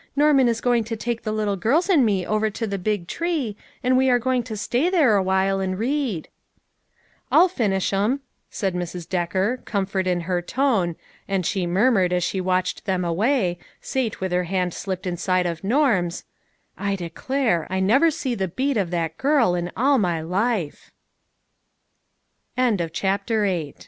Norman is going to. take the little girls and me over to the big tree, and we are going to stay there awhile, and read." " I'll finish ,'em," said Mrs. Decker, comfort in her tone, and she murmured, as she watched them away, Sate with her hand slipped inside of Norm's, " I declare, I never see th